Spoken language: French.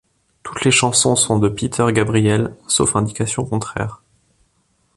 Toutes les chansons sont de Peter Gabriel, sauf indication contraires.